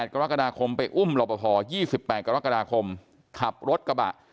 กรกฎาคมไปอุ้มรอปภ๒๘กรกฎาคมขับรถกระบะ